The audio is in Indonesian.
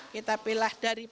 kita pilih dari